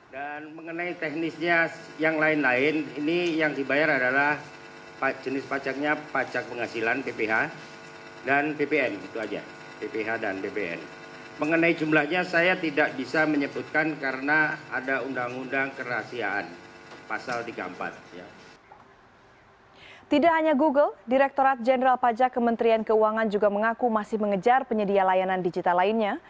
dan mengenai teknisnya yang lain lain ini yang dibayar adalah jenis pajaknya pajak penghasilan pph dan ppn